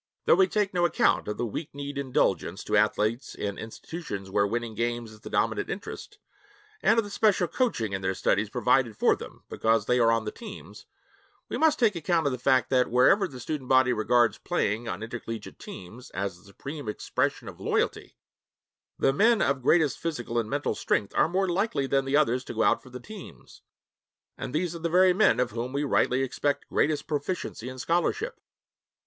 Though we take no account of the weak kneed indulgence to athletes in institutions where winning games is the dominant interest, and of the special coaching in their studies provided for them because they are on the teams, we must take account of the fact that wherever the student body regards playing on intercollegiate teams as the supreme expression of loyalty, the men of greatest physical and mental strength are more likely than the others to go out for the teams, and these are the very men of whom we rightly expect greatest proficiency in scholarship.